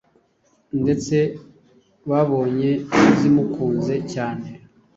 Ndetse babonye zimukunze cyane,